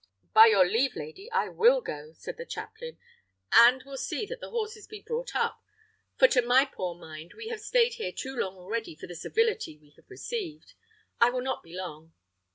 "By your leave, lady, I will go," said the chaplain, "and will see that the horses be brought up; for to my poor mind we have staid here too long already for the civility we have received. I will not be long."